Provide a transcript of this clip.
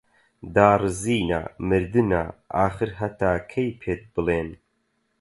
داڕزینە، مردنە، ئاخر هەتا کەی پێت بڵێن